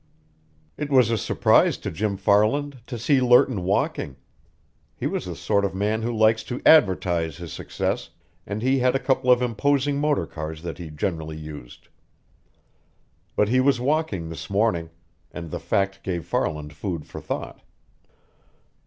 It was a surprise to Jim Farland to see Lerton walking. He was the sort of man who likes to advertise his success, and he had a couple of imposing motor cars that he generally used. But he was walking this morning, and the fact gave Farland food for thought.